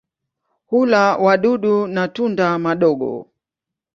Hula wadudu na tunda madogo.